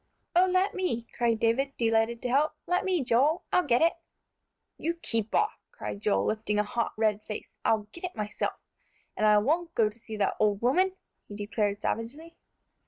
"Oh, let me!" cried David, delighted to help. "Let me, Joel; I'll get it!" "You keep off," cried Joel, lifting a hot, red face; "I'll get it myself. And I won't go to see that old woman!" he declared savagely.